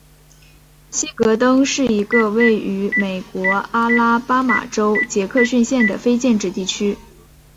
希格登是一个位于美国阿拉巴马州杰克逊县的非建制地区。